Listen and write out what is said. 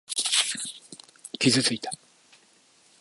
傷ついた。